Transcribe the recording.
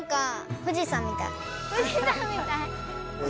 富士山みたい。